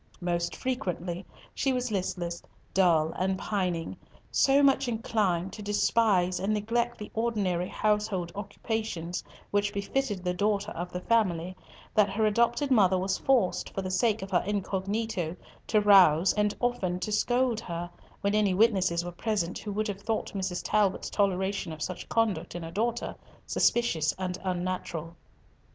Most frequently she was listless, dull, and pining, so much inclined to despise and neglect the ordinary household occupations which befitted the daughter of the family, that her adopted mother was forced, for the sake of her incognito, to rouse, and often to scold her when any witnesses were present who would have thought Mrs. Talbot's toleration of such conduct in a daughter suspicious and unnatural.